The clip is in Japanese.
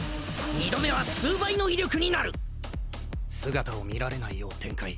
二度目は数倍の威力になる姿を見られないよう展開